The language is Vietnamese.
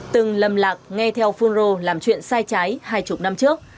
từng lầm lạc nghe theo phunro làm chuyện sai trái hai mươi năm trước